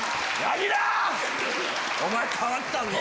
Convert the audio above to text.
お前変わったぞ！